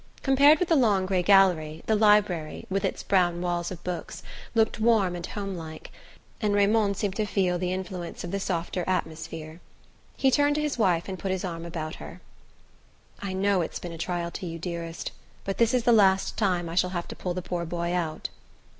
Compared with the long grey gallery the library, with its brown walls of books, looked warm and home like, and Raymond seemed to feel the influence of the softer atmosphere. He turned to his wife and put his arm about her. "I know it's been a trial to you, dearest; but this is the last time I shall have to pull the poor boy out."